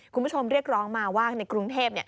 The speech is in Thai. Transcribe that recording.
คุณผู้ชมเรียกร้องมาว่าในกรุงเทพ